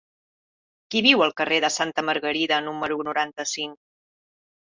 Qui viu al carrer de Santa Margarida número noranta-cinc?